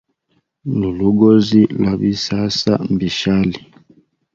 Lulugozi lwa bisasa mbishali.